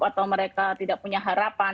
atau mereka tidak punya harapan